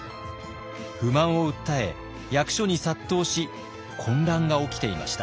不満を訴え役所に殺到し混乱が起きていました。